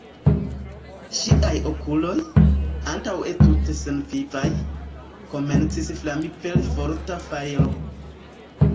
Ŝiaj okuloj, antaŭe tute senvivaj, komencis flami per forta fajro.